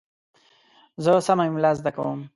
زه سمه املا زده کوم.